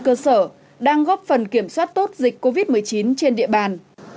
cơ sở đang góp phần kiểm soát tốt dịch covid một mươi chín trên địa bàn